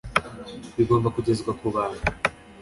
bigomba kugezwa ku bantu